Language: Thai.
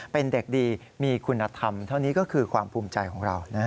เป็นเด็กดีมีคุณธรรมเท่านี้ก็คือความภูมิใจของเรา